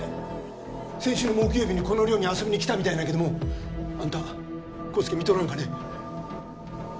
先週の木曜日にこの寮に遊びにきたみたいなんやけどもあんた康介見とらんかね？